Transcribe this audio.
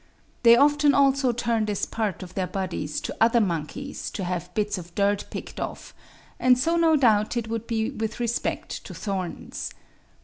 They often also turn this part of their bodies to other monkeys to have bits of dirt picked off, and so no doubt it would be with respect to thorns.